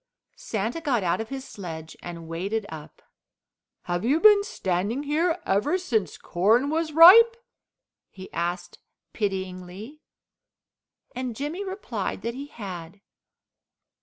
Santa got out of his sledge and waded up. "Have you been standing here ever since corn was ripe?" he asked pityingly, and Jimmy replied that he had.